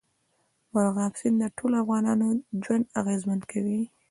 مورغاب سیند د ټولو افغانانو ژوند اغېزمن کوي.